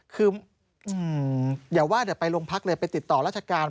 คืออย่าว่าเดี๋ยวไปโรงพักเลยไปติดต่อราชการ